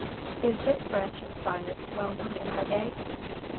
_Is this branch of science well known in our day?